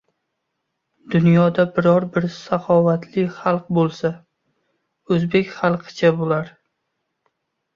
Dunyoda biror bir saxovatli xalq bo‘lsa, o‘zbek xalqicha bo‘lar!